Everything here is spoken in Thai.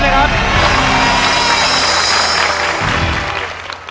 ไม่ใช้นะครับ